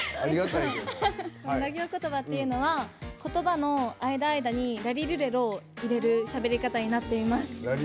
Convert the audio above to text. ラ行言葉というのは言葉の間間にらりるれろを入れるしゃべり方になっています。